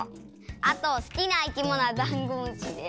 あとすきないきものはダンゴムシです。